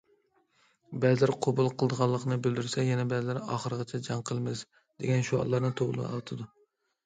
بەزىلەر قوبۇل قىلىدىغانلىقىنى بىلدۈرسە، يەنە بەزىلەر‹‹ ئاخىرغىچە جەڭ قىلىمىز›› دېگەن شوئارلارنى توۋلاۋاتىدۇ.